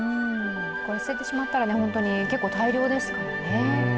捨ててしまったら、結構大量ですからね。